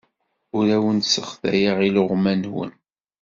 Ur awen-sseɣtayeɣ iluɣma-nwen.